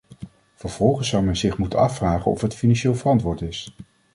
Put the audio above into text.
Vervolgens zou men zich moeten afvragen of het financieel verantwoord is.